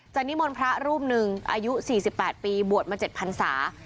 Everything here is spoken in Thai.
นิมนต์พระรูปหนึ่งอายุ๔๘ปีบวชมา๗พันศา